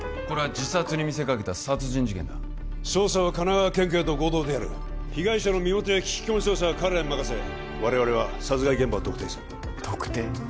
これは自殺に見せかけた殺人事件だ捜査は神奈川県警と合同でやる被害者の身元や聞き込み捜査は彼らに任せ我々は殺害現場を特定する特定？